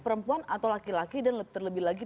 perempuan atau laki laki dan terlebih lagi